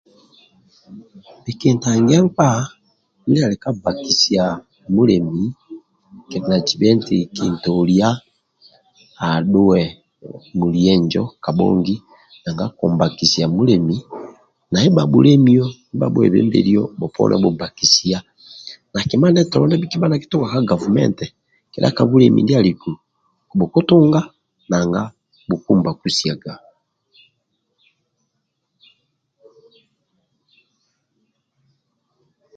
Bhikintangia nkpa mindia ali kabbakusia mulemi kilinajibe eti kintoliya adhuwe muliye injo kabhongi nanga kombakusia mulemi na bhakpa ndibha abhulemi bhoponi okubha nobhubbakusia